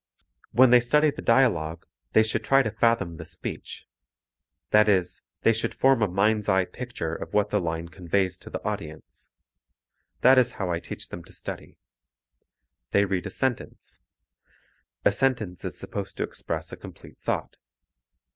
When they study the dialogue, they should try to fathom the speech; that is, they should form a mind's eye picture of what the line conveys to the audience. That is how I teach them to study. They read a sentence. A sentence is supposed to express a complete thought.